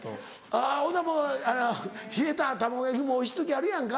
あっほなもう冷えた卵焼きもおいしい時あるやんか。